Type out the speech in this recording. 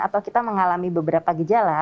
atau kita mengalami beberapa gejala